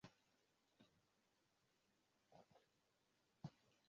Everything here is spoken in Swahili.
Ni eneo maarufu ambalo unaweza kuvipata vyakula vya aina hiyo